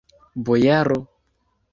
Bojaro!